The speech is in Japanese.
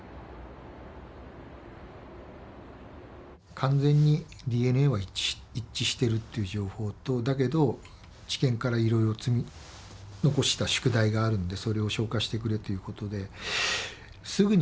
完全にＤＮＡは一致してるっていう情報とだけど地検からいろいろ積み残した宿題があるんでそれを消化してくれということですぐには逮捕ができないと。